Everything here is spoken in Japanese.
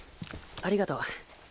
ありがとう。